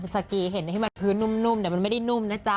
สกีเห็นที่มันพื้นนุ่มมันไม่ได้นุ่มนะจ๊ะ